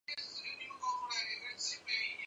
黑多拉是哥斯拉系列电影中出现的一只怪兽。